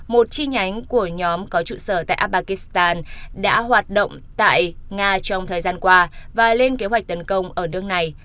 một chi nhánh của nhóm có trụ sở tại afghan đã hoạt động tại nga trong thời gian qua và lên kế hoạch tấn công ở nước này